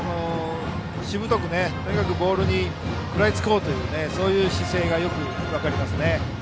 しぶとく、とにかくボールに食らいつこうという姿勢がよく分かりますね。